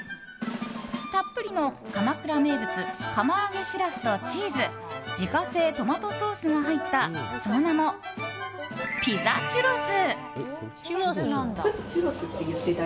たっぷりの鎌倉名物釜揚げシラスとチーズ自家製トマトソースが入ったその名もピザチュロス。